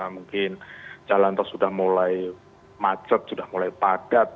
mungkin jalan tol sudah mulai macet sudah mulai padat